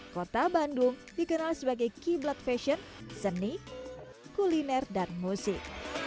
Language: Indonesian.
kota bandung dikenal sebagai kiblat fashion seni kuliner dan musik